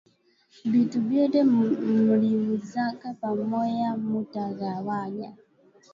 Bitu byote muliuzaka pamoya muta gawanya